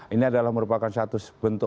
ini adalah merupakan satu bentuk